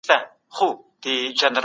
قوانین باید د خلګو د هوساینې لپاره وي.